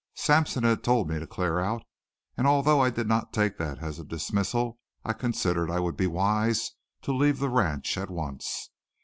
Sampson had told me to clear out, and although I did not take that as a dismissal I considered I would be wise to leave the ranch at once.